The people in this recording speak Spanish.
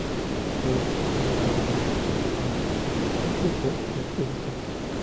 Los dos discos fueron relanzados posteriormente sin la inclusión de esos temas.